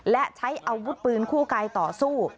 และใช้อาวุธปืนคู่กายต่อสู้